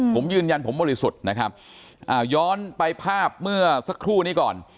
ผมยืนยันผมบริสุทธิ์นะครับย้อนไปภาพเมื่อสักครู่นี้ก่อน